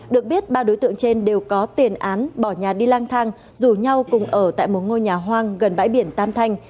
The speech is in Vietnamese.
được biết ba đối tượng trên đều có tiền án bỏ nhà đi lang thang rủ nhau cùng ở tại một ngôi nhà hoang gần bãi biển tam thanh